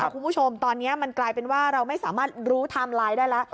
คุณผู้ชมตอนนี้มันกลายเป็นว่าเราไม่สามารถรู้ไทม์ไลน์ได้แล้ว